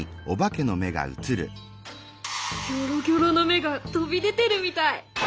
ギョロギョロの目が飛び出てるみたい！